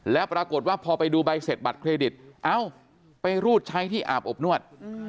แล้วปรากฏว่าพอไปดูใบเสร็จบัตรเครดิตเอ้าไปรูดใช้ที่อาบอบนวด